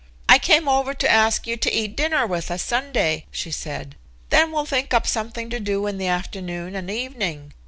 "I came over to ask you to eat dinner with us Sunday," she said. "Then we'll think up something to do in the afternoon and evening.